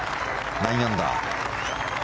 ９アンダー。